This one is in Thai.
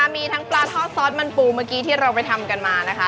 มีทั้งปลาทอดซอสมันปูเมื่อกี้ที่เราไปทำกันมานะคะ